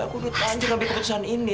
aku udah tahan jelambit keputusan ini